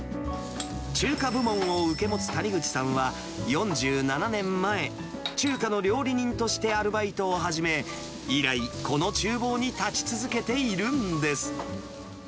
中華部門を受け持つ谷口さんは、４７年前、中華の料理人としてアルバイトを始め、以来、このちゅう房に立ち続けているんです。